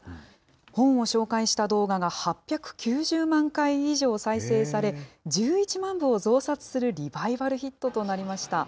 本を紹介した動画が８９０万回以上再生され、１１万部を増刷するリバイバルヒットとなりました。